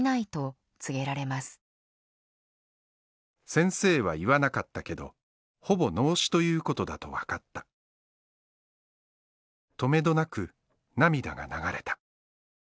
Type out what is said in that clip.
「先生は言わなかったけどほぼ脳死ということだとわかった」「とめどなく涙が流れた」